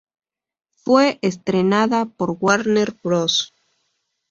Fue estrenada por Warner Bros.